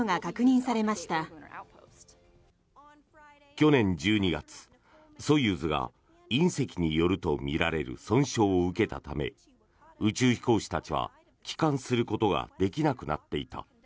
去年１２月、ソユーズが隕石によるとみられる損傷を受けたため宇宙飛行士たちは帰還することができなくなっていた。